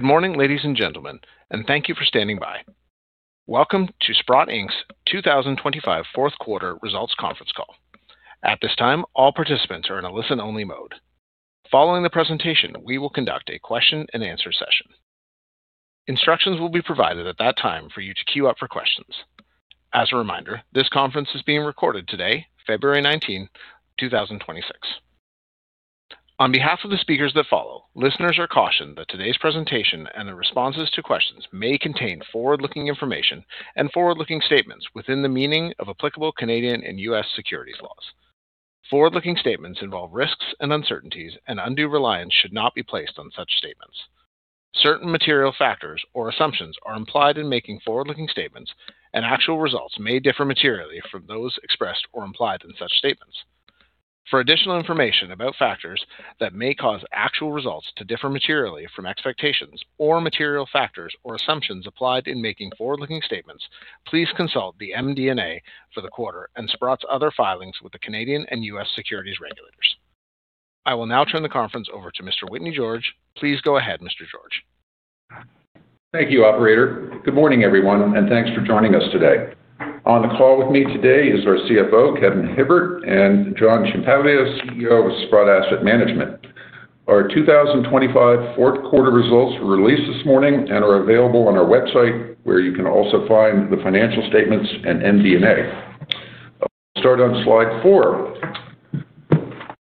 Good morning, ladies and gentlemen, and thank you for standing by. Welcome to Sprott Inc.'s 2025 fourth quarter results conference Call. At this time, all participants are in a listen-only mode. Following the presentation, we will conduct a question and answer session. Instructions will be provided at that time for you to queue up for questions. As a reminder, this conference is being recorded today, February 19, 2026. On behalf of the speakers that follow, listeners are cautioned that today's presentation and the responses to questions may contain forward-looking information and forward-looking statements within the meaning of applicable Canadian and U.S. securities laws. Forward-looking statements involve risks and uncertainties, and undue reliance should not be placed on such statements. Certain material factors or assumptions are implied in making forward-looking statements, and actual results may differ materially from those expressed or implied in such statements. For additional information about factors that may cause actual results to differ materially from expectations or material factors or assumptions applied in making forward-looking statements, please consult the MD&A for the quarter and Sprott's other filings with the Canadian and U.S. securities regulators. I will now turn the conference over to Mr. Whitney George. Please go ahead, Mr. George. Thank you, operator. Good morning, everyone, and thanks for joining us today. On the call with me today is our CFO, Kevin Hibbert, and John Ciampaglia, CEO of Sprott Asset Management. Our 2025 fourth quarter results were released this morning and are available on our website, where you can also find the financial statements and MD&A. I'll start on slide 4.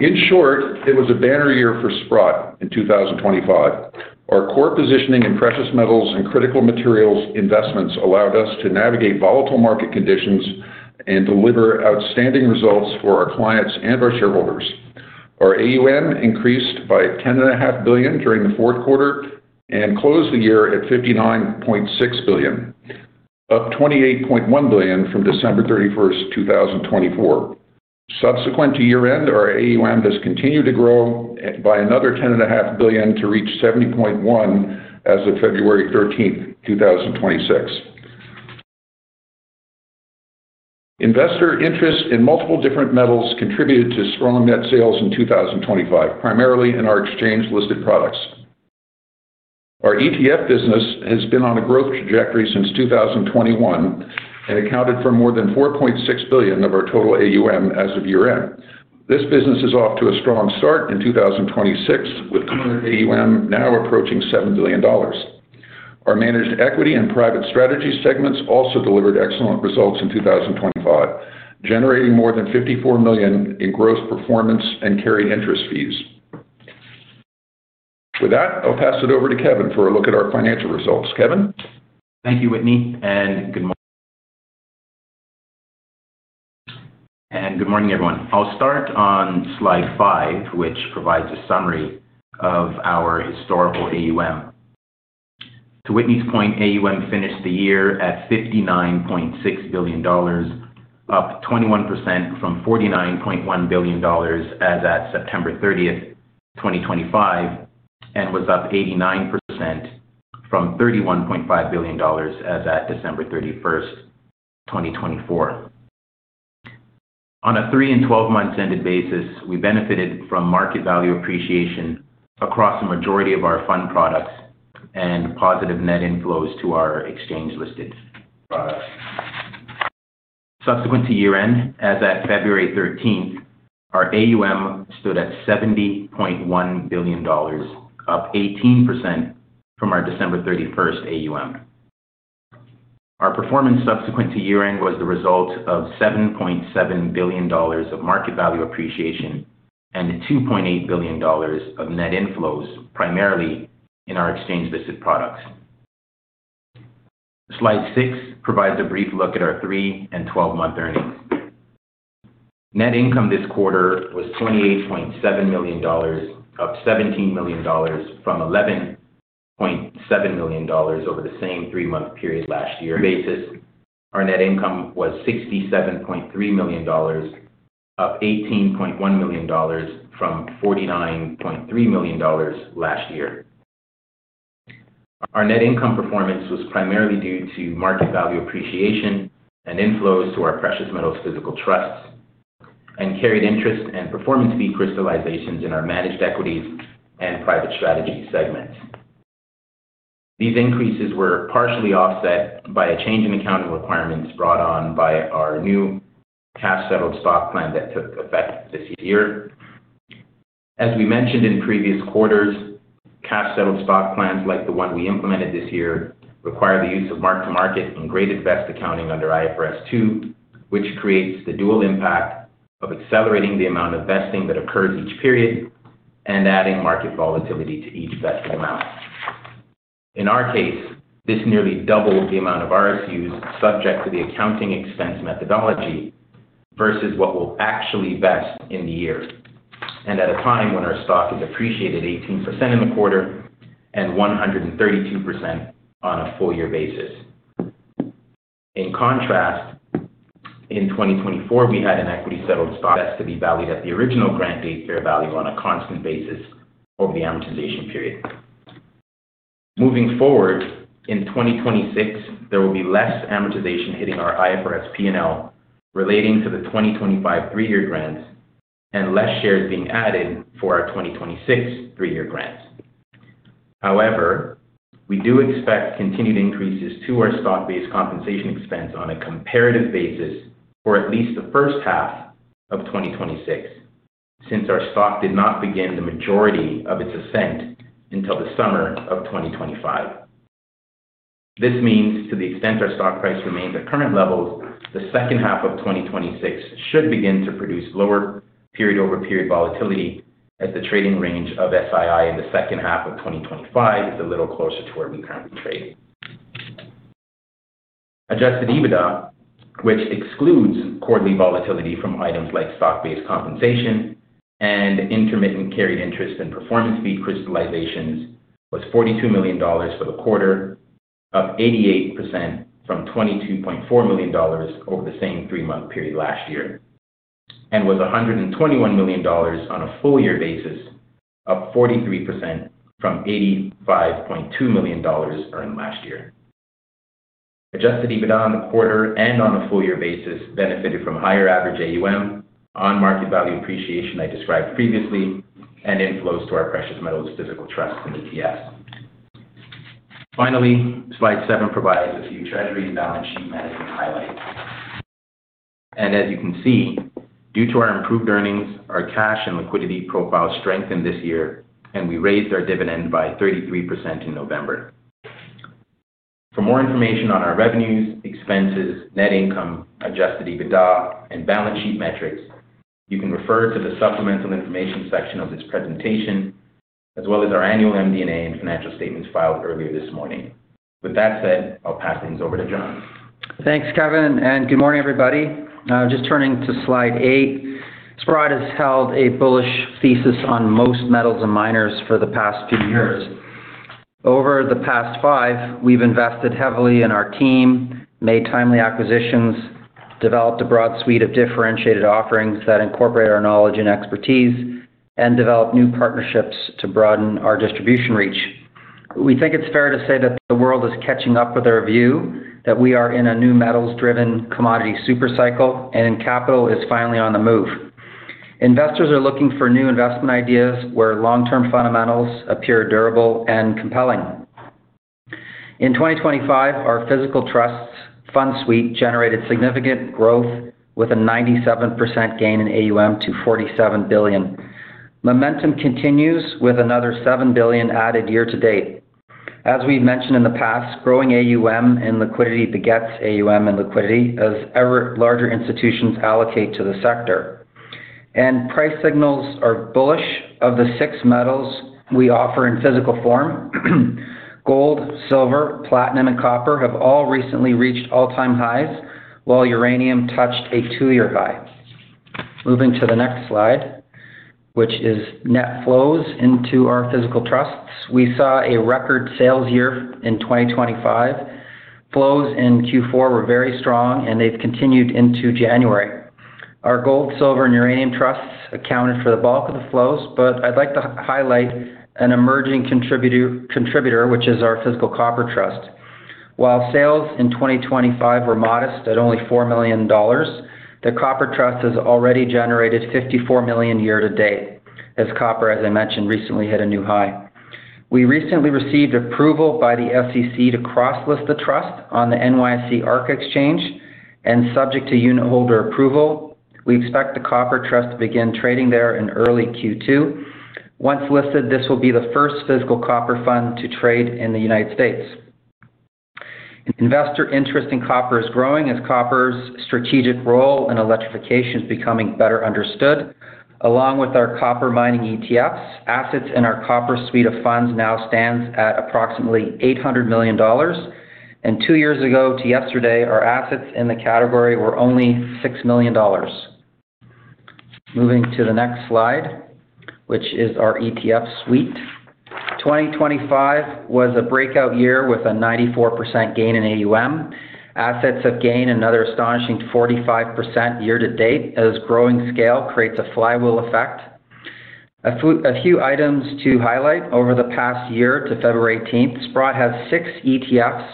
In short, it was a banner year for Sprott in 2025. Our core positioning in precious metals and critical materials investments allowed us to navigate volatile market conditions and deliver outstanding results for our clients and our shareholders. Our AUM increased by $10.5 billion during the fourth quarter and closed the year at $59.6 billion, up $28.1 billion from December 31, 2024. Subsequent to year-end, our AUM has continued to grow by another $10.5 billion to reach $70.1 as of February 13, 2026. Investor interest in multiple different metals contributed to strong net sales in 2025, primarily in our exchange-listed products. Our ETF business has been on a growth trajectory since 2021 and accounted for more than $4.6 billion of our total AUM as of year-end. This business is off to a strong start in 2026, with AUM now approaching $7 billion. Our managed equity and private strategy segments also delivered excellent results in 2025, generating more than $54 million in gross performance and carry interest fees. With that, I'll pass it over to Kevin for a look at our financial results. Kevin? Thank you, Whitney, and good morning. Good morning, everyone. I'll start on slide 5, which provides a summary of our historical AUM. To Whitney's point, AUM finished the year at $59.6 billion, up 21% from $49.1 billion as at September 30, 2025, and was up 89% from $31.5 billion as at December 31, 2024. On a 3- and 12-month ended basis, we benefited from market value appreciation across the majority of our fund products and positive net inflows to our exchange-listed products. Subsequent to year-end, as at February 13, our AUM stood at $70.1 billion, up 18% from our December 31 AUM. Our performance subsequent to year-end was the result of $7.7 billion of market value appreciation and $2.8 billion of net inflows, primarily in our exchange-listed products. Slide 6 provides a brief look at our three- and 12-month earnings. Net income this quarter was $28.7 million, up $17 million from $11.7 million over the same three-month period last year. Basis, our net income was $67.3 million, up $18.1 million from $49.3 million last year. Our net income performance was primarily due to market value appreciation and inflows to our precious metals physical trusts, and carried interest and performance fee crystallizations in our managed equities and private strategy segments. These increases were partially offset by a change in accounting requirements brought on by our new cash-settled stock plan that took effect this year. As we mentioned in previous quarters, cash-settled stock plans, like the one we implemented this year, require the use of mark-to-market and graded vest accounting under IFRS 2, which creates the dual impact of accelerating the amount of vesting that occurs each period and adding market volatility to each vested amount. In our case, this nearly doubled the amount of RSUs subject to the accounting expense methodology versus what will actually vest in the year, and at a time when our stock has appreciated 18% in the quarter and 132% on a full year basis. In contrast, in 2024, we had an equity-settled stock that's to be valued at the original grant date fair value on a constant basis over the amortization period. Moving forward, in 2026, there will be less amortization hitting our IFRS P&L relating to the 2025 three-year grants-... Less shares being added for our 2026 three-year grants. However, we do expect continued increases to our stock-based compensation expense on a comparative basis for at least the first half of 2026, since our stock did not begin the majority of its ascent until the summer of 2025. This means, to the extent our stock price remains at current levels, the second half of 2026 should begin to produce lower period-over-period volatility, as the trading range of SII in the second half of 2025 is a little closer to where we currently trade. Adjusted EBITDA, which excludes quarterly volatility from items like stock-based compensation and intermittent carried interest and performance fee crystallizations, was $42 million for the quarter, up 88% from $22.4 million over the same three-month period last year, and was $121 million on a full year basis, up 43% from $85.2 million earned last year. Adjusted EBITDA on the quarter and on a full year basis benefited from higher average AUM on market value appreciation I described previously, and inflows to our precious metals physical trust and ETFs. Finally, slide seven provides a few treasury and balance sheet management highlights. As you can see, due to our improved earnings, our cash and liquidity profile strengthened this year, and we raised our dividend by 33% in November. For more information on our revenues, expenses, net income, adjusted EBITDA and balance sheet metrics, you can refer to the supplemental information section of this presentation, as well as our annual MD&A and financial statements filed earlier this morning. With that said, I'll pass things over to John. Thanks, Kevin, and good morning, everybody. Just turning to slide 8. Sprott has held a bullish thesis on most metals and miners for the past few years. Over the past 5, we've invested heavily in our team, made timely acquisitions, developed a broad suite of differentiated offerings that incorporate our knowledge and expertise, and developed new partnerships to broaden our distribution reach. We think it's fair to say that the world is catching up with our view, that we are in a new metals-driven commodity super cycle, and capital is finally on the move. Investors are looking for new investment ideas where long-term fundamentals appear durable and compelling. In 2025, our physical trusts fund suite generated significant growth with a 97% gain in AUM to $47 billion. Momentum continues with another $7 billion added year to date. As we've mentioned in the past, growing AUM and liquidity begets AUM and liquidity, as ever larger institutions allocate to the sector. And price signals are bullish. Of the six metals we offer in physical form, gold, silver, platinum and copper have all recently reached all-time highs, while uranium touched a two-year high. Moving to the next slide, which is net flows into our physical trusts. We saw a record sales year in 2025. Flows in Q4 were very strong, and they've continued into January. Our gold, silver, and uranium trusts accounted for the bulk of the flows, but I'd like to highlight an emerging contributor, which is our Physical Copper Trust. While sales in 2025 were modest at only $4 million, the copper trust has already generated $54 million year to date, as copper, as I mentioned, recently, hit a new high. We recently received approval by the SEC to cross-list the trust on the NYSE Arca exchange, and subject to unitholder approval, we expect the copper trust to begin trading there in early Q2. Once listed, this will be the first physical copper fund to trade in the United States. Investor interest in copper is growing as copper's strategic role in electrification is becoming better understood. Along with our copper mining ETFs, assets in our copper suite of funds now stands at approximately $800 million. And two years ago to yesterday, our assets in the category were only $6 million. Moving to the next slide, which is our ETF suite. 2025 was a breakout year with a 94% gain in AUM. Assets have gained another astonishing 45% year-to-date, as growing scale creates a flywheel effect. A few items to highlight, over the past year to February eighteenth, Sprott has 6 ETFs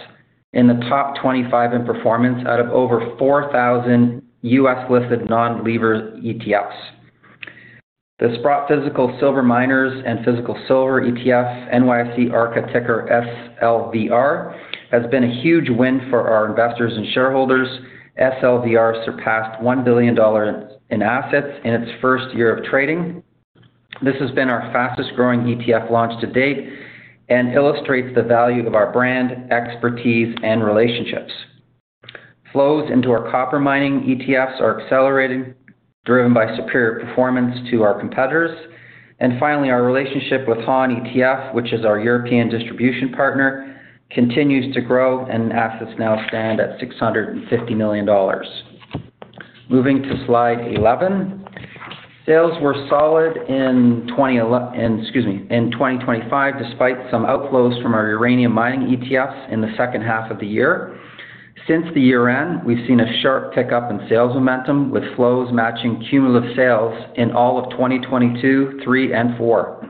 in the top 25 in performance out of over 4,000 U.S.-listed non-lever ETFs. The Sprott Physical Silver Miners and Physical Silver ETF, NYSE Arca, ticker SLVR, has been a huge win for our investors and shareholders. SLVR surpassed $1 billion in assets in its first year of trading. This has been our fastest-growing ETF launch to date and illustrates the value of our brand, expertise, and relationships. Flows into our copper mining ETFs are accelerating, driven by superior performance to our competitors. And finally, our relationship with HANetf, which is our European distribution partner, continues to grow, and assets now stand at $650 million. Moving to slide 11. Sales were solid in 2025, excuse me, in 2025, despite some outflows from our uranium mining ETFs in the second half of the year. Since the year-end, we've seen a sharp pickup in sales momentum, with flows matching cumulative sales in all of 2022, 2023, and 2024....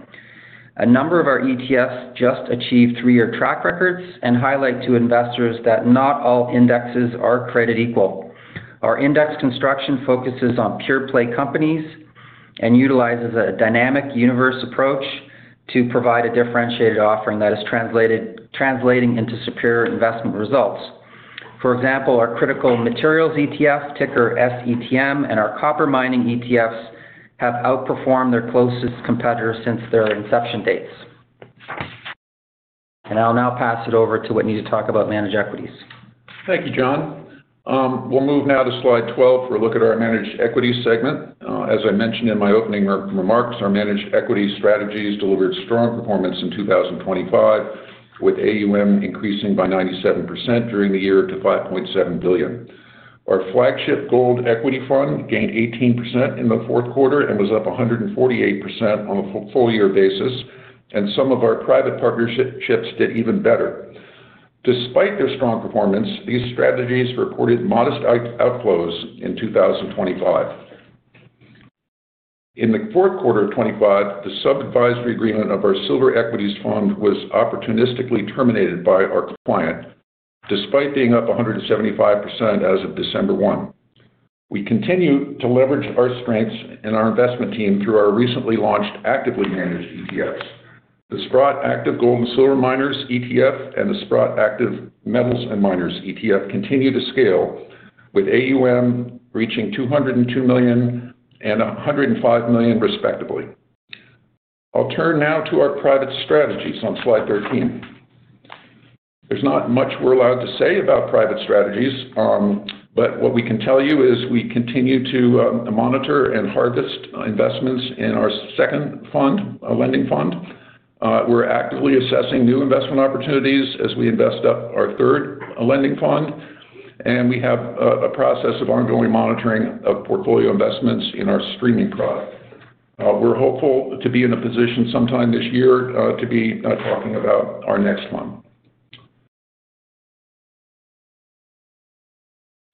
A number of our ETFs just achieved three-year track records and highlight to investors that not all indexes are created equal. Our index construction focuses on pure-play companies and utilizes a dynamic universe approach to provide a differentiated offering that is translating into superior investment results. For example, our Critical Materials ETF, ticker SETM, and our Copper Mining ETFs have outperformed their closest competitors since their inception dates. And I'll now pass it over to Whitney to talk about managed equities. Thank you, John. We'll move now to slide twelve for a look at our managed equity segment. As I mentioned in my opening remarks, our managed equity strategies delivered strong performance in 2025, with AUM increasing by 97% during the year to $5.7 billion. Our flagship gold equity fund gained 18% in the fourth quarter and was up 148% on a full year basis, and some of our private partnerships did even better. Despite their strong performance, these strategies reported modest outflows in 2025. In the fourth quarter of 2025, the sub-advisory agreement of our silver equities fund was opportunistically terminated by our client, despite being up 175% as of December 1. We continue to leverage our strengths and our investment team through our recently launched actively managed ETFs. The Sprott Active Gold and Silver Miners ETF and the Sprott Active Metals and Miners ETF continue to scale, with AUM reaching $202 million and $105 million, respectively. I'll turn now to our private strategies on slide 13. There's not much we're allowed to say about private strategies, but what we can tell you is we continue to monitor and harvest investments in our second fund, a lending fund. We're actively assessing new investment opportunities as we invest up our third lending fund, and we have a process of ongoing monitoring of portfolio investments in our streaming product. We're hopeful to be in a position sometime this year to be talking about our next fund.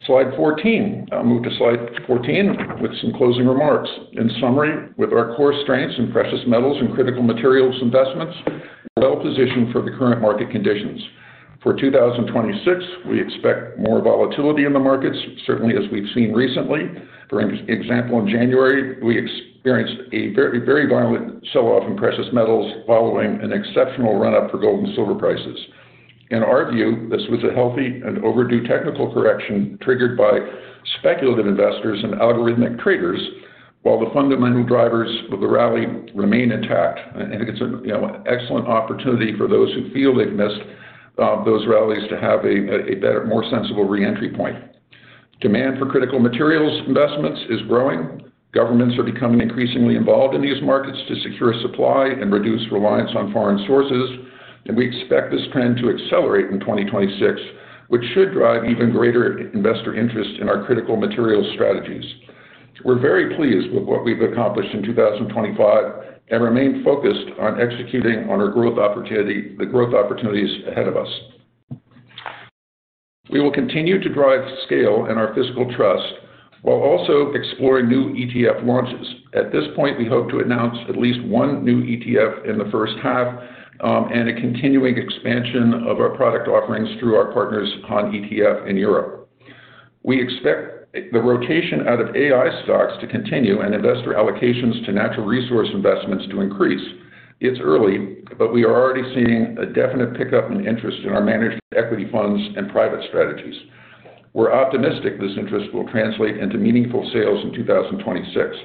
Slide 14. I'll move to slide 14 with some closing remarks. In summary, with our core strengths in precious metals and critical materials investments, we're well positioned for the current market conditions. For 2026, we expect more volatility in the markets, certainly as we've seen recently. For example, in January, we experienced a very, very violent sell-off in precious metals following an exceptional run-up for gold and silver prices. In our view, this was a healthy and overdue technical correction triggered by speculative investors and algorithmic traders, while the fundamental drivers of the rally remain intact. I think it's an, you know, excellent opportunity for those who feel they've missed those rallies to have a better, more sensible re-entry point. Demand for critical materials investments is growing. Governments are becoming increasingly involved in these markets to secure supply and reduce reliance on foreign sources, and we expect this trend to accelerate in 2026, which should drive even greater investor interest in our critical materials strategies. We're very pleased with what we've accomplished in 2025 and remain focused on executing on our growth opportunity, the growth opportunities ahead of us. We will continue to drive scale in our physical trust while also exploring new ETF launches. At this point, we hope to announce at least one new ETF in the first half, and a continuing expansion of our product offerings through our partners HANetf in Europe. We expect the rotation out of AI stocks to continue and investor allocations to natural resource investments to increase. It's early, but we are already seeing a definite pickup in interest in our managed equity funds and private strategies. We're optimistic this interest will translate into meaningful sales in 2026.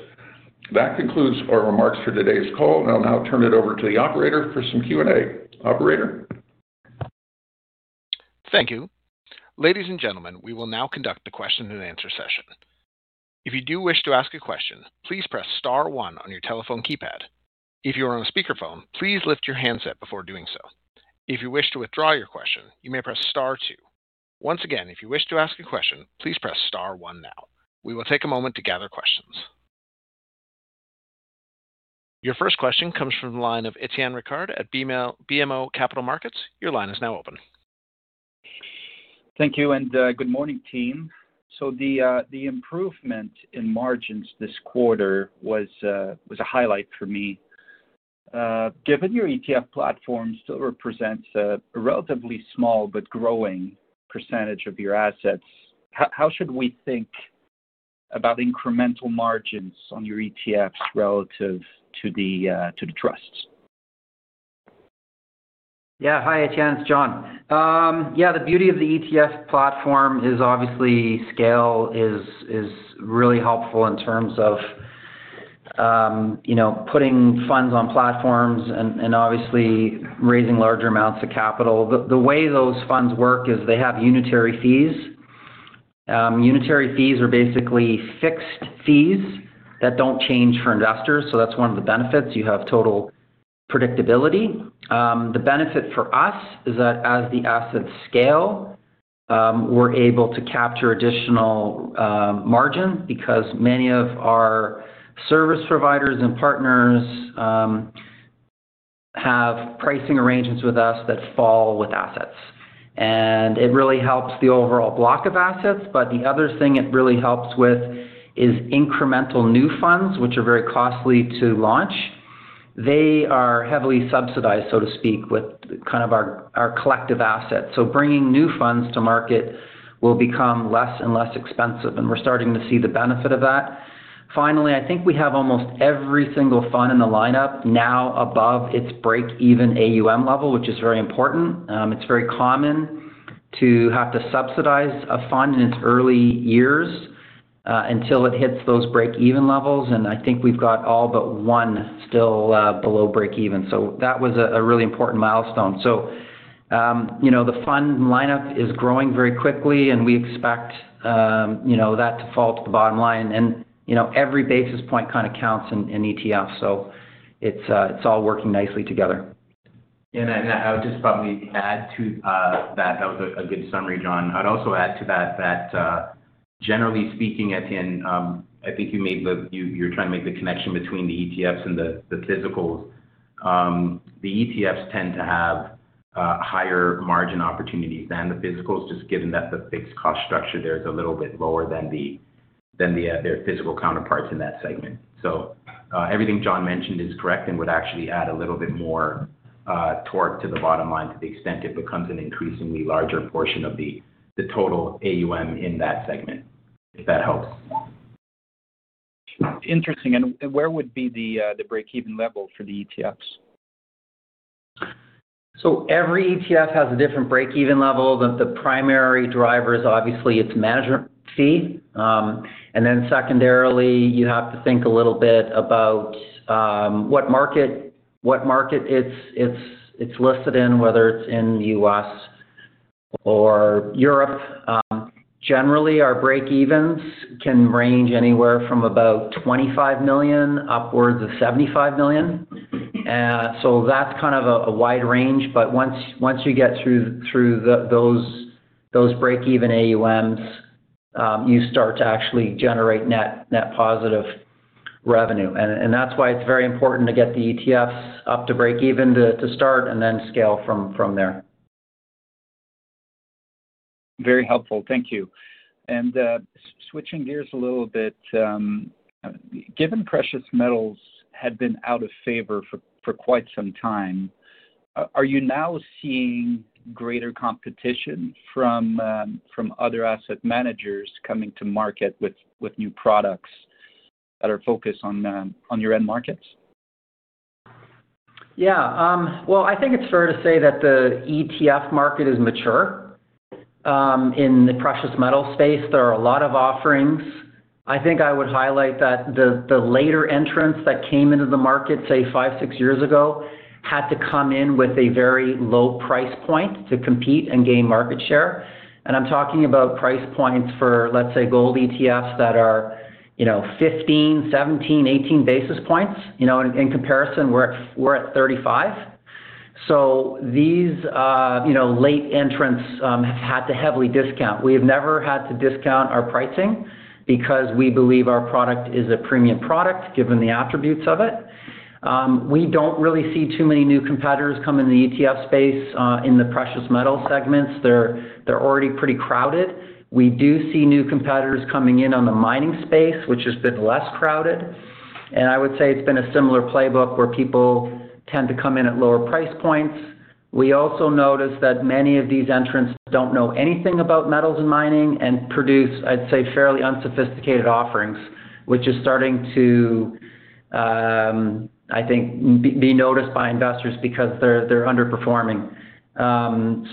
That concludes our remarks for today's call, and I'll now turn it over to the operator for some Q&A. Operator? Thank you. Ladies and gentlemen, we will now conduct a question-and-answer session. If you do wish to ask a question, please press star one on your telephone keypad. If you are on a speakerphone, please lift your handset before doing so. If you wish to withdraw your question, you may press star two. Once again, if you wish to ask a question, please press star one now. We will take a moment to gather questions. Your first question comes from the line of Etienne Ricard at BMO, BMO Capital Markets. Your line is now open. Thank you, and good morning, team. So the improvement in margins this quarter was a highlight for me. Given your ETF platform still represents a relatively small but growing percentage of your assets, how should we think about incremental margins on your ETFs relative to the trusts? Yeah. Hi, Etienne, it's John. Yeah, the beauty of the ETF platform is obviously scale is really helpful in terms of, you know, putting funds on platforms and obviously raising larger amounts of capital. The way those funds work is they have unitary fees. Unitary fees are basically fixed fees that don't change for investors, so that's one of the benefits. You have total predictability. The benefit for us is that as the assets scale, we're able to capture additional margin because many of our service providers and partners have pricing arrangements with us that fall with assets.... and it really helps the overall block of assets, but the other thing it really helps with is incremental new funds, which are very costly to launch. They are heavily subsidized, so to speak, with kind of our collective assets. So bringing new funds to market will become less and less expensive, and we're starting to see the benefit of that. Finally, I think we have almost every single fund in the lineup now above its break-even AUM level, which is very important. It's very common to have to subsidize a fund in its early years, until it hits those break-even levels, and I think we've got all but one still, below break-even. So that was a really important milestone. So, you know, the fund lineup is growing very quickly, and we expect, you know, that to fall to the bottom line, and, you know, every basis point kind of counts in ETF, so it's all working nicely together. And I would just probably add to that. That was a good summary, John. I'd also add to that, generally speaking, again, I think you're trying to make the connection between the ETFs and the physicals. The ETFs tend to have higher margin opportunities than the physicals, just given that the fixed cost structure there is a little bit lower than their physical counterparts in that segment. So, everything John mentioned is correct, and would actually add a little bit more torque to the bottom line to the extent it becomes an increasingly larger portion of the total AUM in that segment, if that helps. Interesting. And where would be the break-even level for the ETFs? So every ETF has a different break-even level, but the primary driver is obviously its management fee. And then secondarily, you have to think a little bit about what market it's listed in, whether it's in the U.S. or Europe. Generally, our break evens can range anywhere from about $25 million upwards of $75 million. So that's kind of a wide range, but once you get through those break-even AUMs, you start to actually generate net positive revenue. And that's why it's very important to get the ETFs up to break even to start and then scale from there. Very helpful. Thank you. And, switching gears a little bit, given precious metals had been out of favor for quite some time, are you now seeing greater competition from other asset managers coming to market with new products that are focused on your end markets? Yeah. Well, I think it's fair to say that the ETF market is mature. In the precious metal space, there are a lot of offerings. I think I would highlight that the later entrants that came into the market, say, 5, 6 years ago, had to come in with a very low price point to compete and gain market share. I'm talking about price points for, let's say, gold ETFs that are, you know, 15, 17, 18 basis points. You know, in comparison, we're at 35. So these, you know, late entrants had to heavily discount. We have never had to discount our pricing because we believe our product is a premium product, given the attributes of it. We don't really see too many new competitors come in the ETF space in the precious metal segments. They're already pretty crowded. We do see new competitors coming in on the mining space, which has been less crowded, and I would say it's been a similar playbook where people tend to come in at lower price points. We also noticed that many of these entrants don't know anything about metals and mining and produce, I'd say, fairly unsophisticated offerings, which is starting to, I think, be noticed by investors because they're underperforming.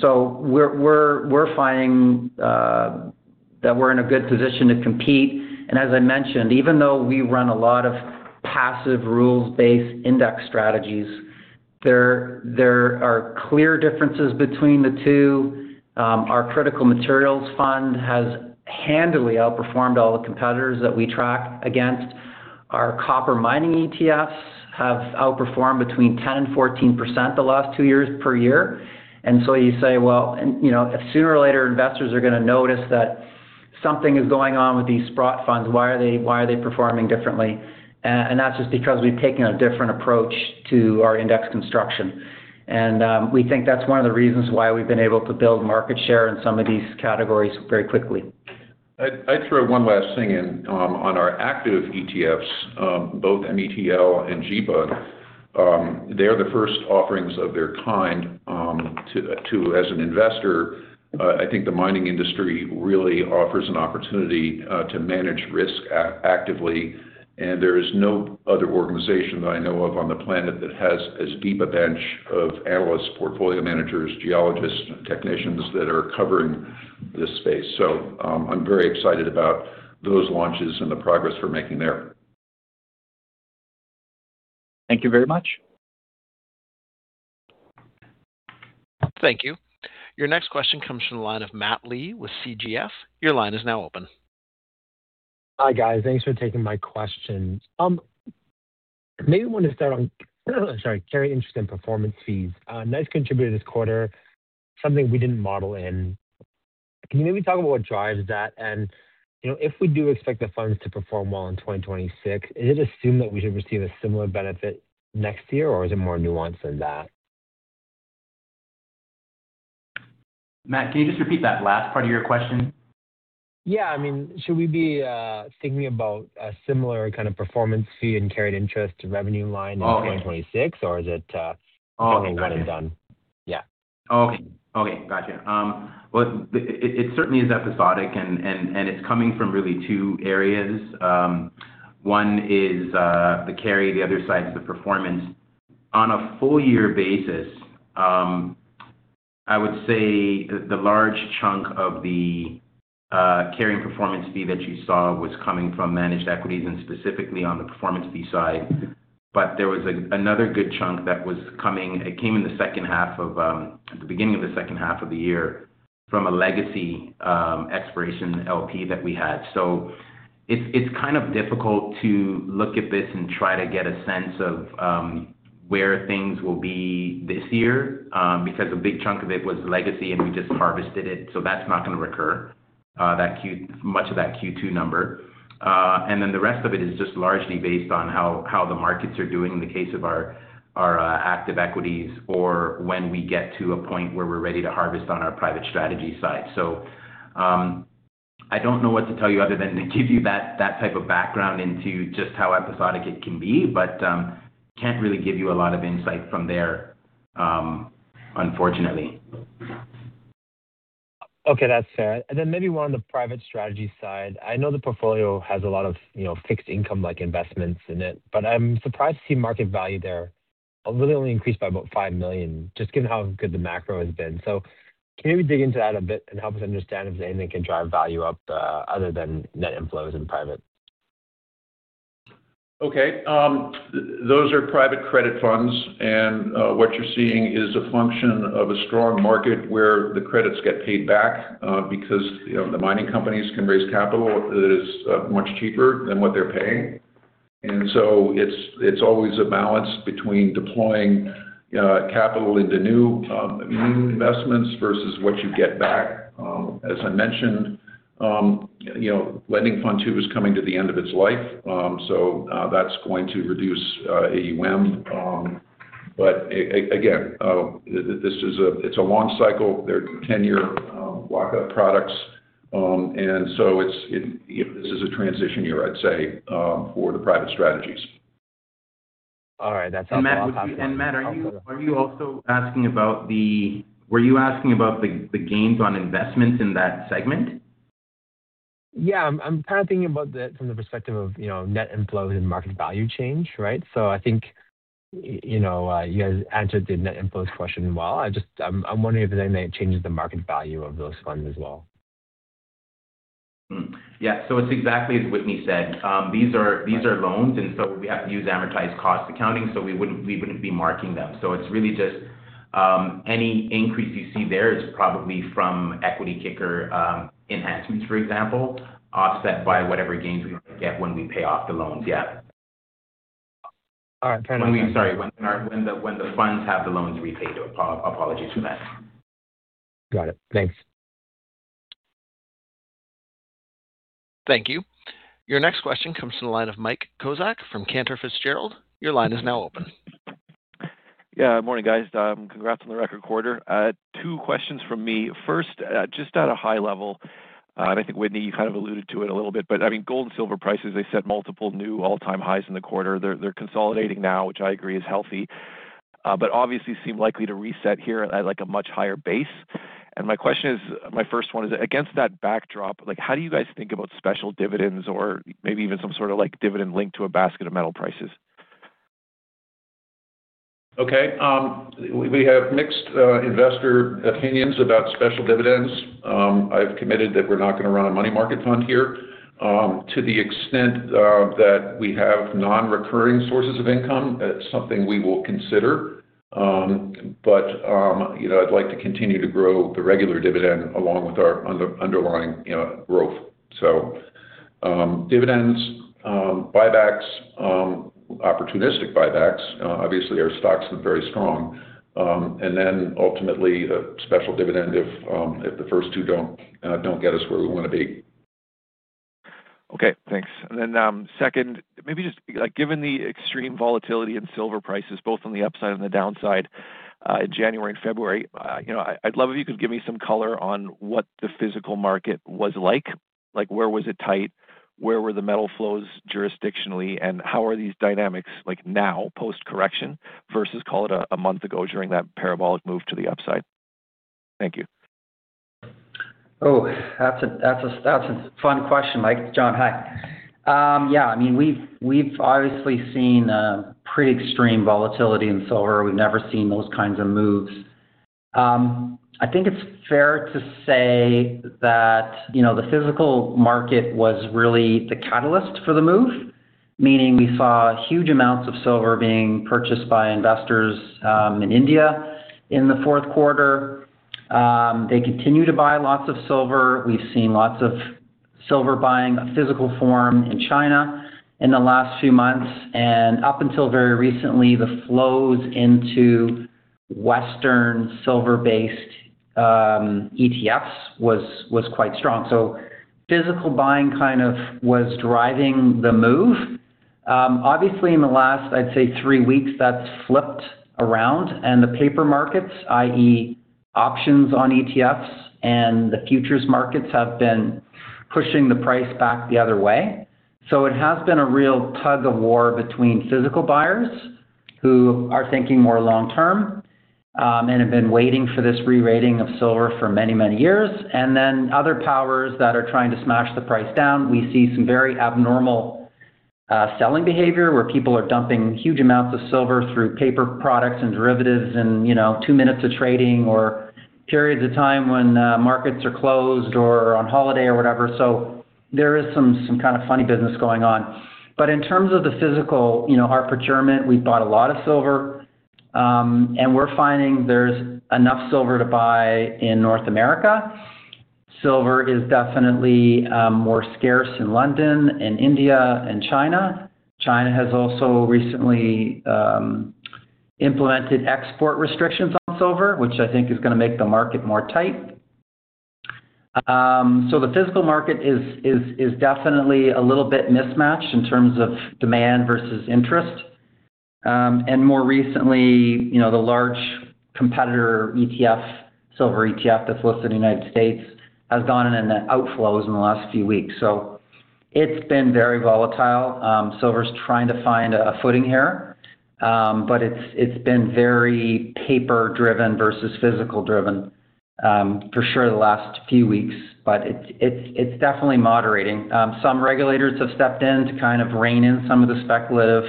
So we're finding that we're in a good position to compete. And as I mentioned, even though we run a lot of passive rules-based index strategies, there are clear differences between the two. Our critical materials fund has handily outperformed all the competitors that we track against. Our copper mining ETFs have outperformed 10%-14% the last two years per year. You say, well, you know, sooner or later, investors are gonna notice that something is going on with these Sprott funds. Why are they, why are they performing differently? And that's just because we've taken a different approach to our index construction. And, we think that's one of the reasons why we've been able to build market share in some of these categories very quickly. I'd throw one last thing in, on our active ETFs, both METL and GBUD. They are the first offerings of their kind. As an investor, I think the mining industry really offers an opportunity to manage risk actively, and there is no other organization that I know of on the planet that has as deep a bench of analysts, portfolio managers, geologists, and technicians that are covering this space. So, I'm very excited about those launches and the progress we're making there. Thank you very much. Thank you. Your next question comes from the line of Matt Lee with CGF. Your line is now open. Hi, guys. Thanks for taking my questions. Maybe want to start on, sorry, very interested in performance fees. Nice contributor this quarter, something we didn't model in.... Can you maybe talk about what drives that? And, you know, if we do expect the funds to perform well in 2026, is it assumed that we should receive a similar benefit next year, or is it more nuanced than that? Matt, can you just repeat that last part of your question? Yeah. I mean, should we be thinking about a similar kind of performance fee and carried interest to revenue line- Oh, okay. in 2026, or is it one and done? Yeah. Okay. Okay, gotcha. Well, it certainly is episodic and it's coming from really two areas. One is the carry, the other side is the performance. On a full year basis, I would say the large chunk of the carry and performance fee that you saw was coming from managed equities and specifically on the performance fee side. But there was another good chunk that was coming... It came in the second half of the beginning of the second half of the year from a legacy exploration LP that we had. So it's kind of difficult to look at this and try to get a sense of where things will be this year, because a big chunk of it was legacy, and we just harvested it, so that's not gonna recur, much of that Q2 number. And then the rest of it is just largely based on how the markets are doing in the case of our active equities, or when we get to a point where we're ready to harvest on our private strategy side. So I don't know what to tell you other than to give you that type of background into just how episodic it can be, but can't really give you a lot of insight from there, unfortunately. Okay, that's fair. And then maybe one on the private strategy side. I know the portfolio has a lot of, you know, fixed income like investments in it, but I'm surprised to see market value there literally only increased by about $5 million, just given how good the macro has been. So can you dig into that a bit and help us understand if anything can drive value up, other than net inflows in private? Okay, those are private credit funds, and what you're seeing is a function of a strong market where the credits get paid back, because, you know, the mining companies can raise capital that is much cheaper than what they're paying. And so it's always a balance between deploying capital into new investments versus what you get back. As I mentioned, you know, Lending Fund 2 is coming to the end of its life, so that's going to reduce AUM. But again, this is a long cycle. They're 10-year lockup products. And so it's, this is a transition year, I'd say, for the private strategies. All right. That's helpful. Matt, were you asking about the gains on investments in that segment? Yeah, I'm kind of thinking about that from the perspective of, you know, net inflows and market value change, right? So I think, you know, you guys answered the net inflows question well. I just, I'm wondering if anything changes the market value of those funds as well. Yeah. So it's exactly as Whitney said. These are, these are loans, and so we have to use amortized cost accounting, so we wouldn't, we wouldn't be marking them. So it's really just, any increase you see there is probably from equity kicker, enhancements, for example, offset by whatever gains we get when we pay off the loans. Yeah. All right. Sorry, when the funds have the loans repaid. Apologies for that. Got it. Thanks. Thank you. Your next question comes from the line of Mike Kozak from Cantor Fitzgerald. Your line is now open. Yeah, good morning, guys. Congrats on the record quarter. Two questions from me. First, just at a high level, and I think, Whitney, you kind of alluded to it a little bit, but I mean, gold and silver prices, they set multiple new all-time highs in the quarter. They're, they're consolidating now, which I agree is healthy, but obviously seem likely to reset here at, like, a much higher base. And my question is, my first one is: against that backdrop, like, how do you guys think about special dividends or maybe even some sort of, like, dividend linked to a basket of metal prices? Okay, we have mixed investor opinions about special dividends. I've committed that we're not gonna run a money market fund here. To the extent that we have non-recurring sources of income, that's something we will consider. But you know, I'd like to continue to grow the regular dividend along with our underlying, you know, growth. So, dividends, buybacks, opportunistic buybacks, obviously our stocks look very strong. And then ultimately, a special dividend if the first two don't get us where we wanna be. Okay, thanks. And then, second, maybe just, like, given the extreme volatility in silver prices, both on the upside and the downside, in January and February, you know, I'd love if you could give me some color on what the physical market was like. Like, where was it tight? Where were the metal flows jurisdictionally, and how are these dynamics, like now, post-correction, versus, call it, a month ago during that parabolic move to the upside? Thank you. Oh, that's a fun question, Mike. John, hi. Yeah, I mean, we've obviously seen pretty extreme volatility in silver. We've never seen those kinds of moves. I think it's fair to say that, you know, the physical market was really the catalyst for the move, meaning we saw huge amounts of silver being purchased by investors in India in the fourth quarter. They continue to buy lots of silver. We've seen lots of silver buying in physical form in China in the last few months, and up until very recently, the flows into Western silver-based ETFs was quite strong. So physical buying kind of was driving the move. Obviously, in the last, I'd say three weeks, that's flipped around, and the paper markets, i.e., options on ETFs and the futures markets, have been pushing the price back the other way. So it has been a real tug-of-war between physical buyers, who are thinking more long term, and have been waiting for this re-rating of silver for many, many years, and then other powers that are trying to smash the price down. We see some very abnormal selling behavior, where people are dumping huge amounts of silver through paper products and derivatives and, you know, two minutes of trading or periods of time when markets are closed or on holiday or whatever. So there is some, some kind of funny business going on. But in terms of the physical, you know, our procurement, we bought a lot of silver, and we're finding there's enough silver to buy in North America. Silver is definitely more scarce in London and India and China. China has also recently implemented export restrictions on silver, which I think is gonna make the market more tight. The physical market is definitely a little bit mismatched in terms of demand versus interest. And more recently, you know, the large competitor ETF, silver ETF, that's listed in the United States, has gone into outflows in the last few weeks, so it's been very volatile. Silver's trying to find a footing here. But it's been very paper-driven versus physical-driven, for sure, the last few weeks, but it's definitely moderating. Some regulators have stepped in to kind of rein in some of the speculative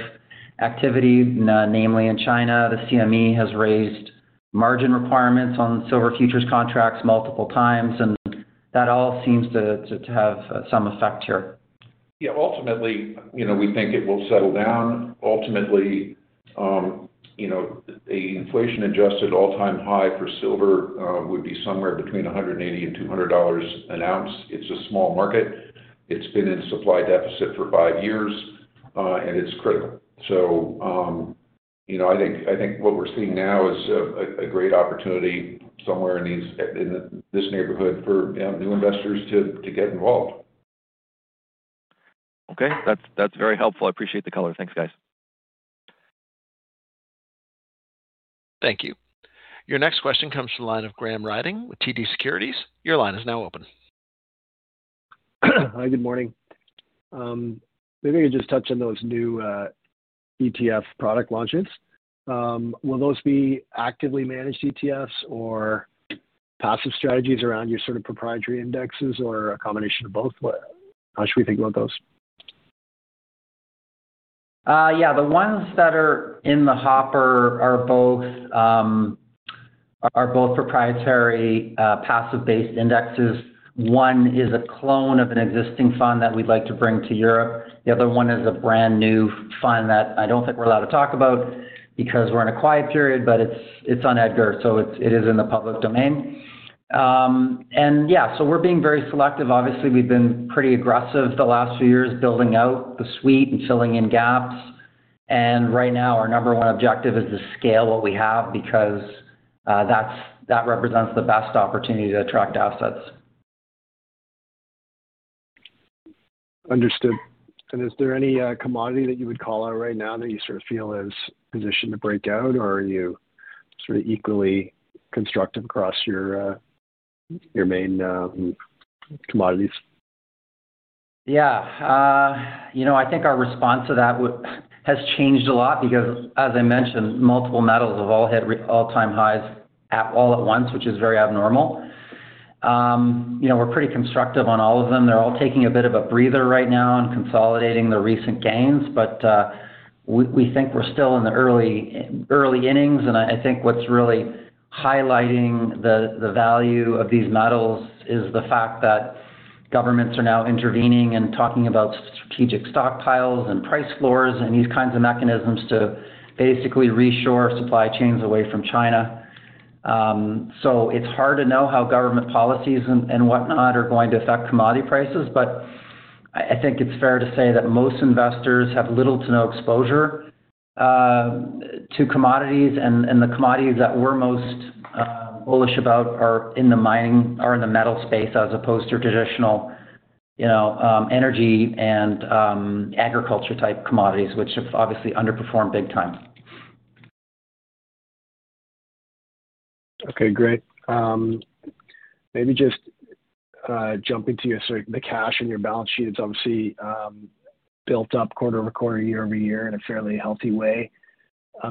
activity, namely in China. The CME has raised margin requirements on silver futures contracts multiple times, and that all seems to have some effect here. Yeah, ultimately, you know, we think it will settle down. Ultimately, you know, the inflation-adjusted all-time high for silver would be somewhere between $180-$200 an ounce. It's a small market. It's been in supply deficit for five years, and it's critical. So, you know, I think what we're seeing now is a great opportunity somewhere in these, in the, this neighborhood for new investors to get involved. Okay, that's, that's very helpful. I appreciate the color. Thanks, guys. Thank you. Your next question comes from the line of Graham Ryding with TD Securities. Your line is now open. Hi, good morning. Maybe you just touch on those new ETF product launches. Will those be actively managed ETFs or passive strategies around your sort of proprietary indexes or a combination of both? How should we think about those? Yeah, the ones that are in the hopper are both proprietary passive-based indexes. One is a clone of an existing fund that we'd like to bring to Europe. The other one is a brand-new fund that I don't think we're allowed to talk about because we're in a quiet period, but it's on EDGAR, so it is in the public domain. And yeah, so we're being very selective. Obviously, we've been pretty aggressive the last few years, building out the suite and filling in gaps. And right now, our number one objective is to scale what we have because that represents the best opportunity to attract assets. Understood. And is there any commodity that you would call out right now that you sort of feel is positioned to break out, or are you sort of equally constructive across your main commodities? Yeah. You know, I think our response to that has changed a lot because, as I mentioned, multiple metals have all hit all-time highs at all at once, which is very abnormal. You know, we're pretty constructive on all of them. They're all taking a bit of a breather right now and consolidating the recent gains, but we think we're still in the early innings. And I think what's really highlighting the value of these metals is the fact that governments are now intervening and talking about strategic stockpiles and price floors and these kinds of mechanisms to basically re-shore supply chains away from China. So it's hard to know how government policies and whatnot are going to affect commodity prices, but I think it's fair to say that most investors have little to no exposure to commodities. And the commodities that we're most bullish about are in the mining or in the metal space, as opposed to traditional, you know, energy and agriculture-type commodities, which have obviously underperformed big time. Okay, great. Maybe just jumping to your sort of the cash on your balance sheet, it's obviously built up quarter-over-quarter, year-over-year in a fairly healthy way.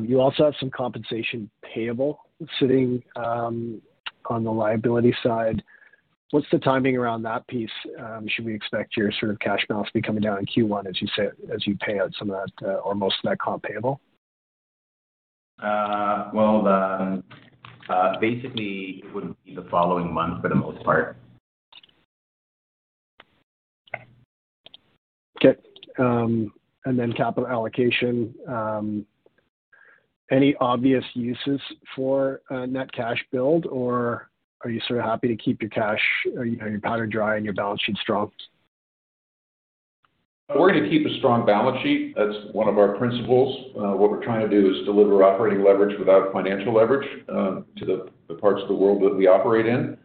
You also have some compensation payable sitting on the liability side. What's the timing around that piece? Should we expect your sort of cash balance to be coming down in Q1, as you pay out some of that or most of that comp payable? Well, basically, it would be the following month for the most part.... Okay, and then capital allocation, any obvious uses for net cash build, or are you sort of happy to keep your cash or, you know, your powder dry and your balance sheet strong? We're gonna keep a strong balance sheet. That's one of our principles. What we're trying to do is deliver operating leverage without financial leverage to the parts of the world that we operate in.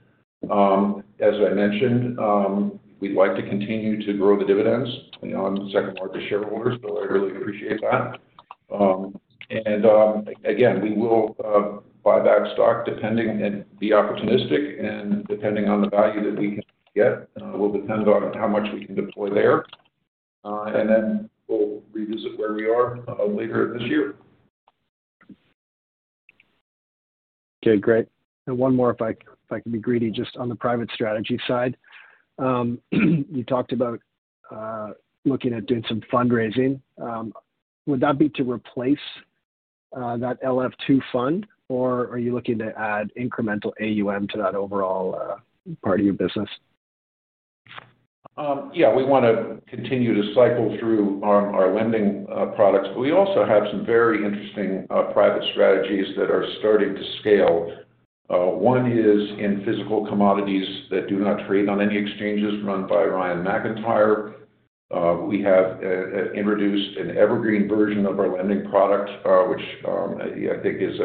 As I mentioned, we'd like to continue to grow the dividends. You know, I'm the second largest shareholder, so I really appreciate that. And again, we will buy back stock, depending, and be opportunistic, and depending on the value that we can get will depend on how much we can deploy there. And then we'll reuse it where we are later this year. Okay, great. And one more, if I can be greedy, just on the private strategy side. You talked about looking at doing some fundraising. Would that be to replace that LF 2 Fund, or are you looking to add incremental AUM to that overall part of your business? Yeah, we wanna continue to cycle through our lending products, but we also have some very interesting private strategies that are starting to scale. One is in physical commodities that do not trade on any exchanges run by Ryan McIntyre. We have introduced an evergreen version of our lending product, which I think is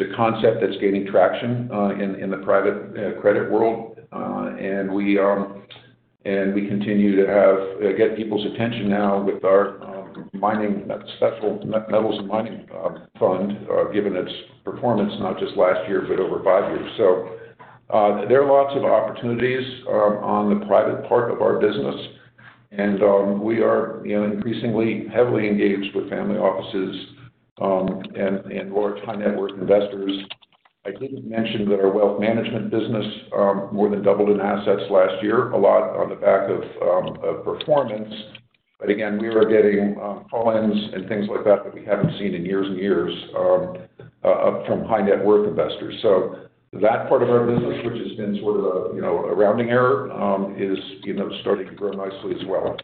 a concept that's gaining traction in the private credit world. And we continue to get people's attention now with our mining, special metals and mining fund, given its performance, not just last year, but over five years. So, there are lots of opportunities on the private part of our business, and we are, you know, increasingly heavily engaged with family offices and large high-net-worth investors. I didn't mention that our wealth management business more than doubled in assets last year, a lot on the back of performance. But again, we are getting call-ins and things like that that we haven't seen in years and years from high-net-worth investors. So that part of our business, which has been sort of a, you know, a rounding error, is, you know, starting to grow nicely as well.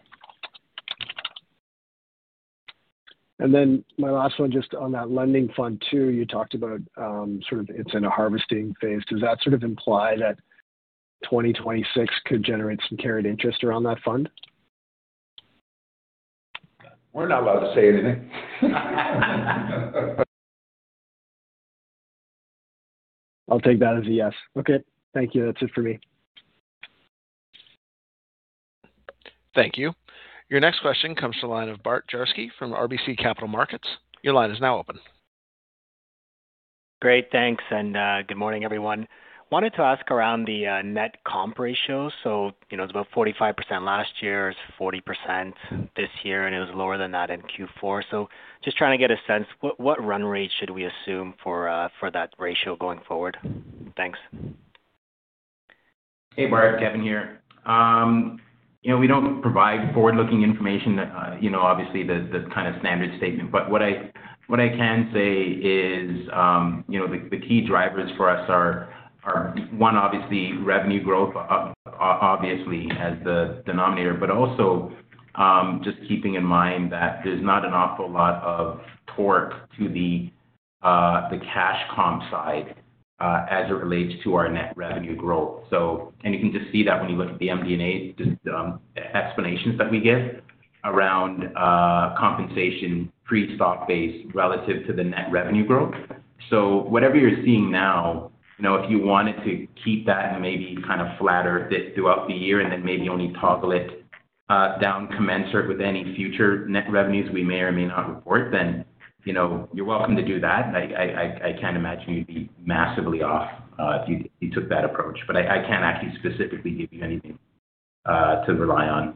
Then my last one, just on that lending fund, too, you talked about, sort of it's in a harvesting phase. Does that sort of imply that 2026 could generate some carried interest around that fund? We're not allowed to say anything. I'll take that as a yes. Okay, thank you. That's it for me. Thank you. Your next question comes to the line of Bart Jersky from RBC Capital Markets. Your line is now open. Great, thanks, and good morning, everyone. Wanted to ask around the net comp ratio. You know, it's about 45% last year, it's 40% this year, and it was lower than that in Q4. Just trying to get a sense, what run rate should we assume for that ratio going forward? Thanks. Hey, Bart, Kevin here. You know, we don't provide forward-looking information, you know, obviously the kind of standard statement. But what I can say is, you know, the key drivers for us are one, obviously, revenue growth, obviously as the denominator, but also, just keeping in mind that there's not an awful lot of torque to the cash comp side, as it relates to our net revenue growth. So. And you can just see that when you look at the MD&A, just explanations that we give around compensation, pre-stock-based, relative to the net revenue growth. So whatever you're seeing now, you know, if you wanted to keep that and maybe kind of flatter it throughout the year, and then maybe only toggle it down, commensurate with any future net revenues we may or may not report, then, you know, you're welcome to do that. I can't imagine you'd be massively off if you took that approach. But I can't actually specifically give you anything to rely on.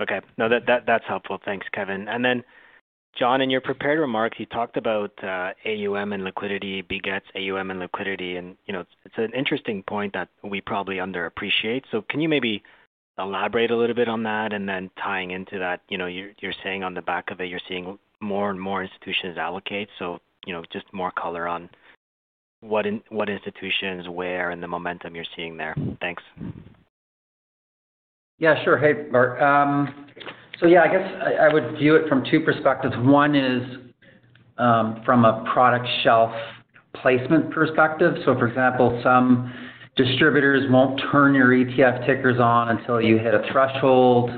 Okay. No, that's helpful. Thanks, Kevin. And then, John, in your prepared remarks, you talked about AUM and liquidity begets AUM and liquidity, and, you know, it's an interesting point that we probably underappreciate. So can you maybe elaborate a little bit on that? And then tying into that, you know, you're saying on the back of it, you're seeing more and more institutions allocate. So, you know, just more color on what institutions, where, and the momentum you're seeing there. Thanks. Yeah, sure. Hey, Bart. So yeah, I guess I would view it from two perspectives. One is, from a product shelf placement perspective. So, for example, some distributors won't turn your ETF tickers on until you hit a threshold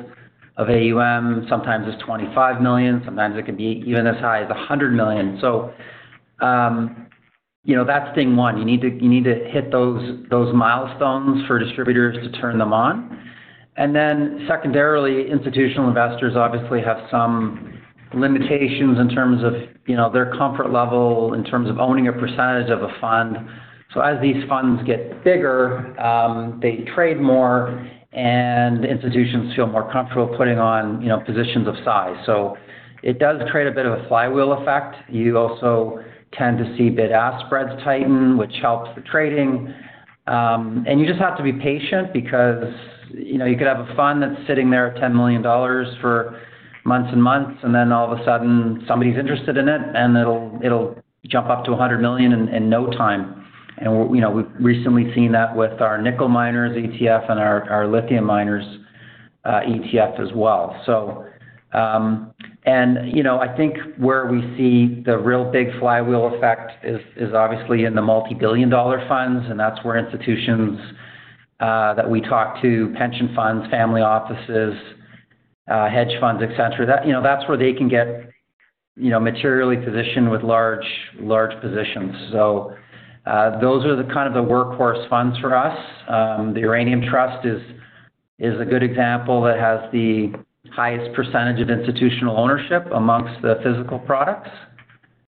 of AUM. Sometimes it's $25 million, sometimes it can be even as high as $100 million. So, you know, that's thing one. You need to hit those milestones for distributors to turn them on. And then secondarily, institutional investors obviously have some limitations in terms of, you know, their comfort level, in terms of owning a percentage of a fund. So as these funds get bigger, they trade more, and institutions feel more comfortable putting on, you know, positions of size. So it does create a bit of a flywheel effect. You also tend to see bid-ask spreads tighten, which helps with trading. And you just have to be patient because, you know, you could have a fund that's sitting there at $10 million for months and months, and then all of a sudden, somebody's interested in it, and it'll, it'll jump up to $100 million in no time. And, you know, we've recently seen that with our nickel miners ETF and our, our lithium miners ETF as well. So, and, you know, I think where we see the real big flywheel effect is obviously in the multi-billion dollar funds, and that's where institutions that we talk to, pension funds, family offices, hedge funds, et cetera. That, you know, that's where they can get, you know, materially positioned with large, large positions. So, those are the kind of the workhorse funds for us. The Uranium Trust is a good example that has the highest percentage of institutional ownership amongst the physical products.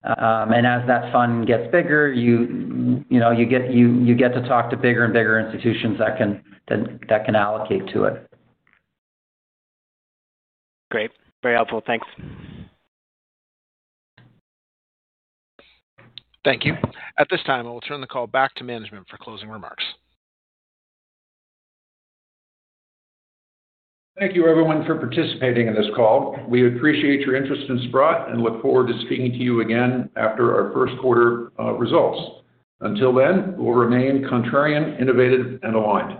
And as that fund gets bigger, you know, you get to talk to bigger and bigger institutions that can allocate to it. Great. Very helpful. Thanks. Thank you. At this time, I will turn the call back to management for closing remarks. Thank you, everyone, for participating in this call. We appreciate your interest in Sprott and look forward to speaking to you again after our first quarter results. Until then, we'll remain contrarian, innovative, and aligned.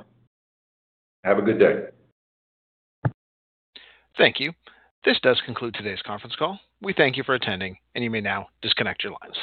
Have a good day. Thank you. This does conclude today's conference call. We thank you for attending, and you may now disconnect your lines.